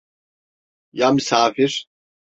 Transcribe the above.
Ya misafir?